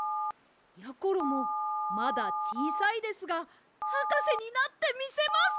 やころもまだちいさいですがはかせになってみせます！